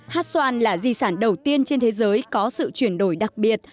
hát xoan là di sản đầu tiên trên thế giới có sự chuyển đổi đặc biệt